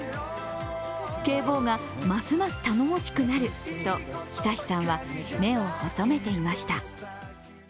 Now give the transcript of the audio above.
けい坊がますます頼もしくなると昶さんは目を細めていました。